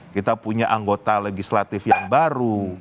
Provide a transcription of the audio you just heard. kita punya anggota legislatif yang baru